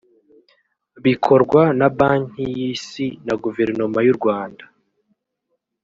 bikorwa na Banki y’isi na guverinoma y’u Rwanda